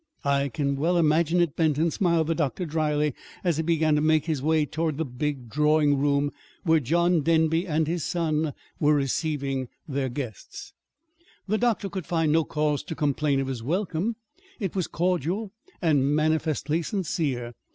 "I can well imagine it, Benton," smiled the doctor dryly, as he began to make his way toward the big drawing room where John Denby and his son were receiving their guests. The doctor could find no cause to complain of his welcome. It was cordial and manifestly sincere.